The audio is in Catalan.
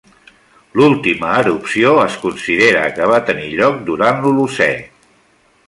L'última erupció es considera que va tenir lloc durant l'Holocè.